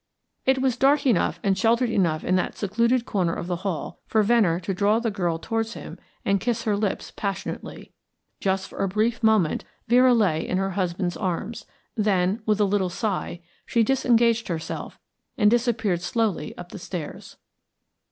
It was dark enough and sheltered enough in that secluded corner of the hall for Venner to draw the girl towards him and kiss her lips passionately. Just for a brief moment Vera lay in her husband's arms; then, with a little sigh, she disengaged herself and disappeared slowly up the stairs.